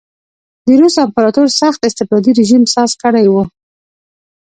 د روس امپراتور سخت استبدادي رژیم ساز کړی و.